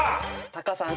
タカさん